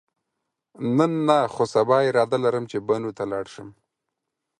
نن نه، خو سبا اراده لرم چې بنو ته لاړ شم.